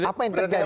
apa yang terjadi